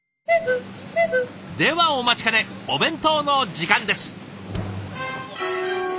ではお待ちかねお弁当の時間です。